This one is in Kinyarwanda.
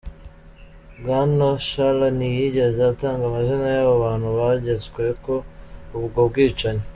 Bwana Shalaan ntiyigeze atanga amazina y'abo bantu begetsweko ubwo bwicanyi.